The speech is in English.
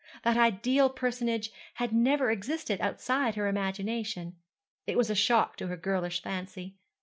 That ideal personage had never existed outside her imagination. It was a shock to her girlish fancy.